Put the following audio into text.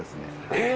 えっ！